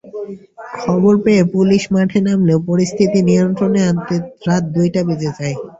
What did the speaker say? খবর পেয়ে পুলিশ মাঠে নামলেও পরিস্থিতি নিয়ন্ত্রণে আনতে রাত দুইটা বেজে যায়।